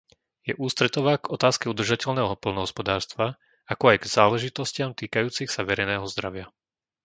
Je ústretová k otázke udržateľného poľnohospodárstva, ako aj k záležitostiam týkajúcich sa verejného zdravia.